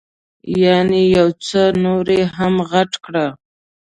یعنې یو څه یې نور هم غټ کړه.